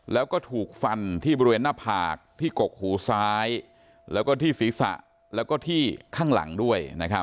แล้วก็ถูกฟันที่บริเวณหน้าผากที่กกหูซ้ายแล้วก็ที่ศีรษะแล้วก็ที่ข้างหลังด้วย